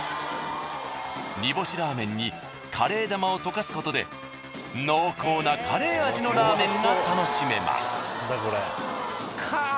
煮干しラーメンにカレー玉を溶かすことで濃厚なカレー味のラーメンが楽しめます。